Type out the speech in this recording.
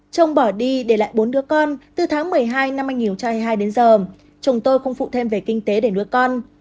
chồng bỏ đi để lại bốn đứa con từ tháng một mươi hai năm hai nghìn hai mươi hai đến giờ chồng tôi không phụ thêm về kinh tế để nuôi con